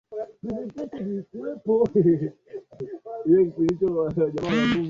Kwa sababu hiyo wananchi walilazimika kufanya kazi huku wakilipwa mshahara mdogo au kutolipwa kabisa